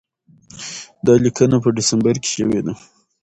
دا لیکنه په ډسمبر کې شوې ده.